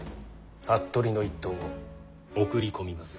服部の一党を送り込みまする。